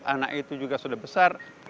anak itu juga sudah besar